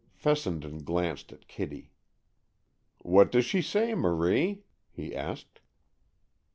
Fessenden glanced at Kitty. "What does she say, Marie?" he asked.